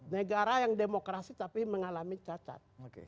negara yang demokrasi tapi mengalami cacat